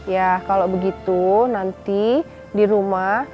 ya kalau begitu nanti di rumah